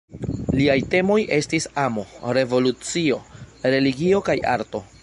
Liaj temoj estis amo, revolucio, religio kaj arto.